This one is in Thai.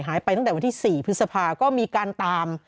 หายไปตั้งแต่วันที่๔พฤษภาก็มีการตาม